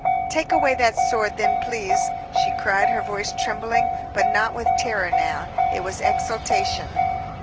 "Take away that sword, then, please," she cried, her voice trembling, but not with terror now; it was exultation.